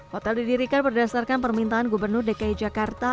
hotel didirikan berdasarkan permintaan gubernur dki jakarta